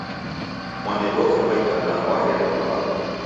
Mwanedu wafuma itanaa w'aghenda kwa aba